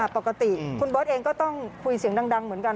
ปกติคุณเบิร์ตเองก็ต้องคุยเสียงดังเหมือนกัน